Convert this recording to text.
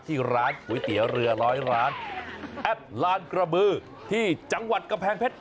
ที่ร้านก๋วยเตี๋ยวเรือร้อยร้านแอดลานกระบือที่จังหวัดกำแพงเพชร